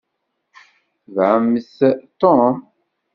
Tebɛemt Tom!